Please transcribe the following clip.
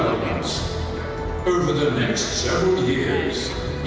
selama beberapa tahun